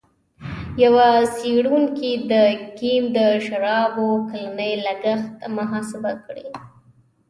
یوه څېړونکي د کیم د شرابو کلنی لګښت محاسبه کړی.